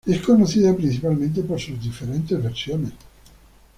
Es conocida principalmente por sus diferentes versiones.